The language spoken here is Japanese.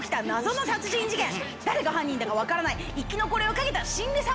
誰が犯人だか分からない生き残りを懸けた。